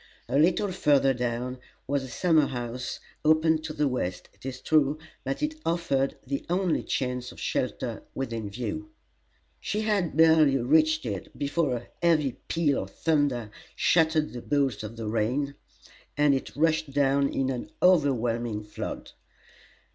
A little further down was a summer house open to the west, it is true, but it offered the only chance of shelter within view. She had barely reached it before a heavy peal of thunder shattered the bolts of the rain, and it rushed down in an overwhelming flood.